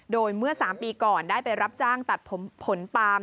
โดยเมื่อ๓ปีก่อนได้ไปรับจ้างตัดผลปาล์ม